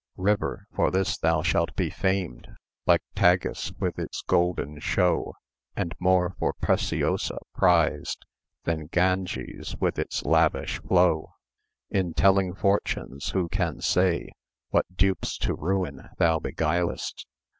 River, for this thou shalt be famed, Like Tagus with its golden show, And more for Preciosa prized Than Ganges with its lavish flow. In telling fortunes who can say What dupes to ruin thou beguilest?